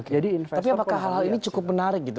tapi apakah hal hal ini cukup menarik gitu